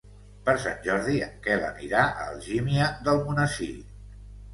Per Sant Jordi en Quel anirà a Algímia d'Almonesir.